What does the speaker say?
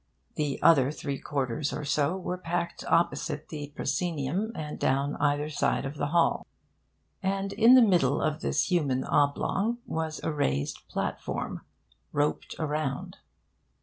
The other three quarters or so were packed opposite the proscenium and down either side of the hall. And in the middle of this human oblong was a raised platform, roped around.